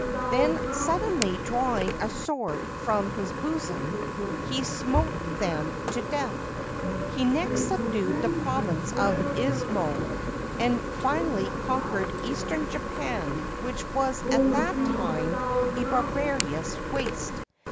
Then, suddenly drawing a sword from his bosom, he smote them to death. He next subdued the province of Izumo, and finally conquered Eastern Japan, which was at that time a barbarous waste.